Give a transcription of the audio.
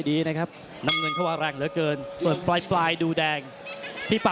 ในอีกก็มีขุนเข่าริมโค้งเลยครับเพชรบุญชูเอฟรีกรุ๊ป